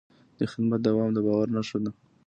د خدمت دوام د باور نښه ده.